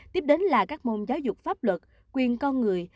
tiếp đến là các môn giáo dục pháp luật quyền con người